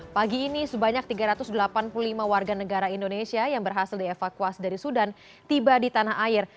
pagi ini sebanyak tiga ratus delapan puluh lima warga negara indonesia yang berhasil dievakuasi dari sudan tiba di tanah air